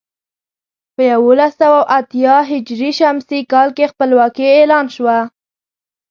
په یولس سوه اتيا ه ش کال کې خپلواکي اعلان شوه.